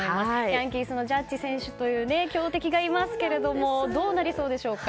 ヤンキースのジャッジ選手という強敵がいますけどどうなりそうでしょうか？